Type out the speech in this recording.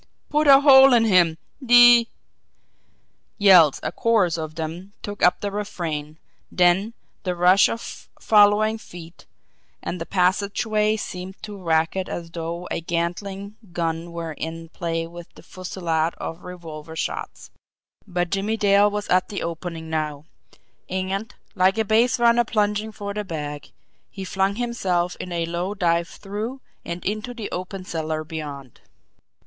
Put a hole in him, de " Yells, a chorus of them, took up the refrain then the rush of following feet and the passageway seemed to racket as though a Gatling gun were in play with the fusillade of revolver shots. But Jimmie Dale was at the opening now and, like a base runner plunging for the bag, he flung himself in a low dive through and into the open cellar beyond.